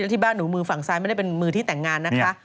ที่บ้านหนูมือฝั่งซ้ายไม่ได้เป็นมือที่แต่งงานนะคะ